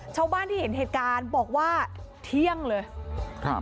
ชาวบ้านที่เห็นเหตุการณ์บอกว่าเที่ยงเลยครับ